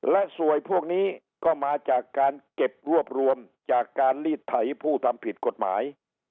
และสวยพวกนี้ก็มาจากการเก็บรวบรวมจากการลีดไถผู้ทำผิดกฎหมาย